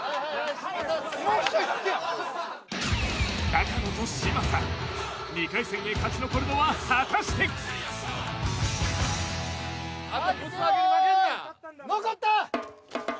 高野と嶋佐２回戦へ勝ち残るのは果たしてはっけよーいのこった！